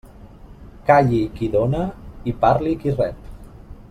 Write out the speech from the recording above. Calli qui dóna i parli qui rep.